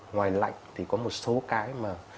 ngoài lạnh thì có một số cái mà